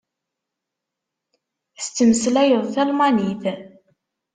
Tettmeslayeḍ talmanit.